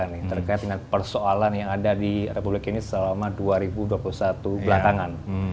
terkait dengan persoalan yang ada di republik ini selama dua ribu dua puluh satu belakangan